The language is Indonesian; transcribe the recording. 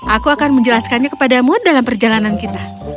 aku akan menjelaskannya kepadamu dalam perjalanan kita